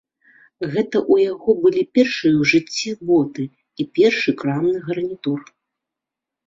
Гэта ў яго былі першыя ў жыцці боты і першы крамны гарнітур.